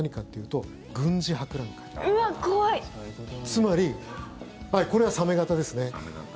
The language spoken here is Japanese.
つまりこれはサメ型ですね。